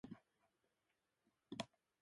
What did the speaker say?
長野県上松町